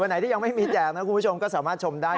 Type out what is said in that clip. ไหนที่ยังไม่มีแจกนะคุณผู้ชมก็สามารถชมได้